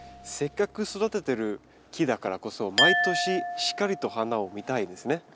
せっかく育ててる木だからこそ毎年しっかりと花を見たいですね。